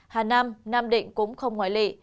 hà nam nam định cũng không ngoài lệ